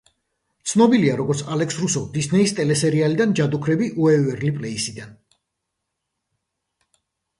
ცნობილია, როგორც ალექს რუსო დისნეის ტელესერიალიდან „ჯადოქრები უეივერლი პლეისიდან“.